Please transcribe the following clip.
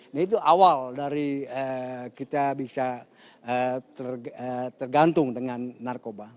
nah itu awal dari kita bisa tergantung dengan narkoba